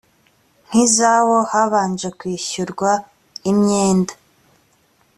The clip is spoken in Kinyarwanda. nk izawo habanje kwishyurwa imyenda